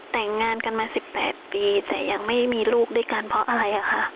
แต่งงานกันมา๑๘ปีแต่ยังไม่มีลูกด้วยกันเพราะอะไรอะค่ะ